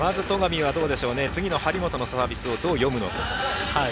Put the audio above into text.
まず戸上は次の張本のサービスをどう読むのか。